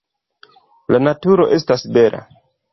La naturo estas bela!